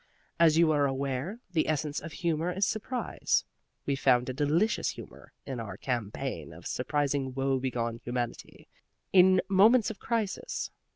As you are aware, the essence of humor is surprise: we found a delicious humor in our campaign of surprising woebegone humanity in moments of crisis.